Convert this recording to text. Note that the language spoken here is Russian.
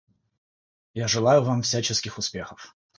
Я желаю вам всяческих успехов.